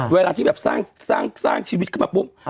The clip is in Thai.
เวลาที่สร้างชีวิตก็มาปุ๊บ